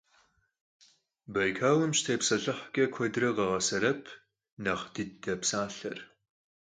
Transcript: Baykalım şıtêpselhıhç'e, kuedre khağesebep «nexh dıde» psalher.